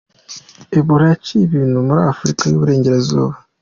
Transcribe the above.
Ebola yaciye ibintu muri Afurika y’Uburengerazuba.